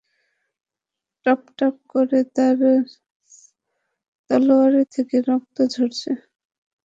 টপটপ করে তার তলোয়ার হতে রক্ত ঝরছে।